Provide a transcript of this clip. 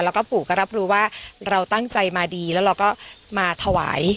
แล้วก็ปู่ก็รับรู้ว่าเราตั้งใจมาดีแล้วเราก็มาถวาย